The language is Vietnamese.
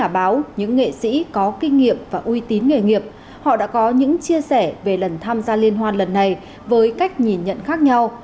báo những nghệ sĩ có kinh nghiệm và uy tín nghề nghiệp họ đã có những chia sẻ về lần tham gia liên hoan lần này với cách nhìn nhận khác nhau